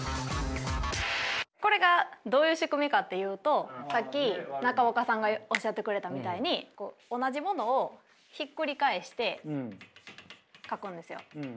これがどういう仕組みかというとさっき中岡さんがおっしゃってくれたみたいに同じものをひっくり返して書くんですよ。